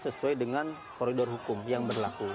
sesuai dengan koridor hukum yang berlaku